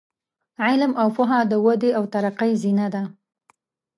علم او پوهه د ودې او ترقۍ زینه ده.